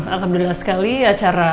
alhamdulillah sekali acara